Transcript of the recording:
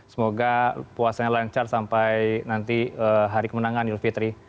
semoga puasanya lancar sampai nanti hari kemenangan idul fitri